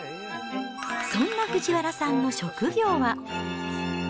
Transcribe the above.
そんな藤原さんの職業は。